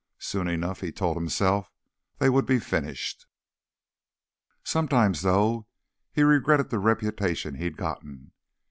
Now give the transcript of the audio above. Soon enough, he told himself, they would be finished. Sometimes, though, he regretted the reputation he'd gotten.